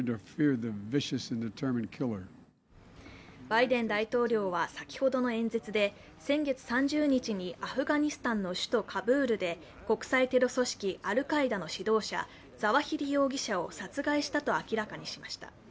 バイデン大統領は先ほどの演説で先月３０日にアフガニスタンの首都カブールで、国際テロ組織アルカイダの指導者、ザワヒリ容疑者を殺害したと明らかにしました。